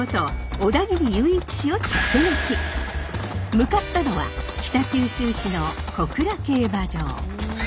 向かったのは北九州市の小倉競馬場。